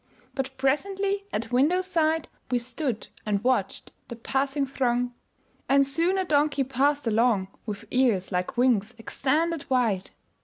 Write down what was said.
But presently at window side We stood and watched the passing throng, And soon a donkey passed along With ears like wings extended wide.